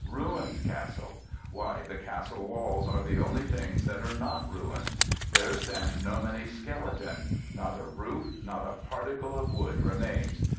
Ruined castle! Why, the castle walls are the only things that are not ruined. There stands Nomeny's skeleton. Not a roof, not a particle of wood remains!